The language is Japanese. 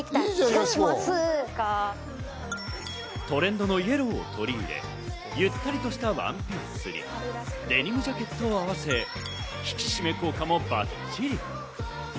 トレンドのイエローを取り入れ、ゆったりとしたワンピースにデニムジャケットを合わせ、引き締め効果もバッチリ。